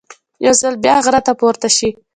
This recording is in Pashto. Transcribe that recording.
یو ځل بیا غره ته پورته شي.